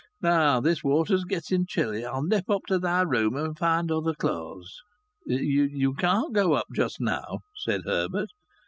Now this water's getting chilly. I'll nip up to thy room and find some other clothes." "You can't go up just now," said Herbert.